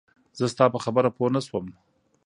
زه ستا په خبره پوهه نه شوم